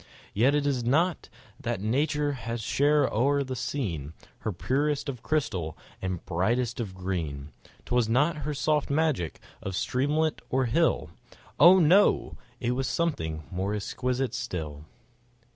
Yet it was not that nature had shed o'er the scene Her purest of crystal and brightest of green; 'Twas not her soft magic of streamlet or hill, Oh! no—it was something more exquisite still.